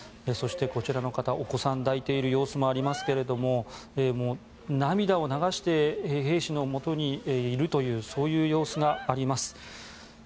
そして、こちらの方お子さんを抱いている様子もありますが涙を流して兵士のもとにいるというそういう様子があります。